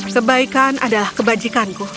kebaikan adalah kebajikanku